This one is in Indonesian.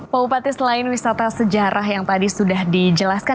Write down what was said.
pak bupati selain wisata sejarah yang tadi sudah dijelaskan